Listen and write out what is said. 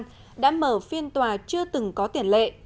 đã mở phiên tòa chưa từng có tiền lệ